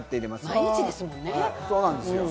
毎日ですもんね。